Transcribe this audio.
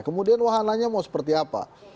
kemudian wahananya mau seperti apa